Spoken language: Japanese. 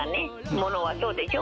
ものは、そうでしょ。